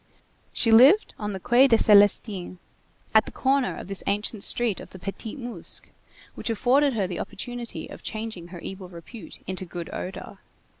She lived on the Quai des Célestins, at the corner of this ancient street of the Petit Musc which afforded her the opportunity of changing her evil repute into good odor.